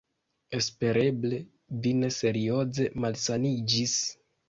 Espereble vi ne serioze malsaniĝis.